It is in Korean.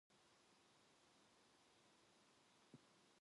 그러나 뱃속이 꾸물꾸물 하며 얼굴이 빨개졌다.